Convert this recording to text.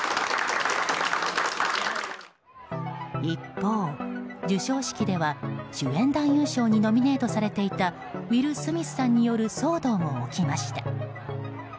一方、授賞式では主演男優賞にノミネートされていたウィル・スミスさんによる騒動も起きました。